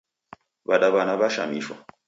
W'adaw'ana w'ashamishwa